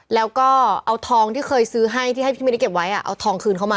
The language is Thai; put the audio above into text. แล้วก็เอาทองที่เคยซื้อให้ที่ให้พี่มินิเก็บไว้เอาทองคืนเข้ามา